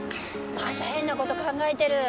また変な事考えてる！